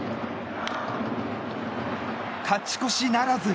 勝ち越しならず！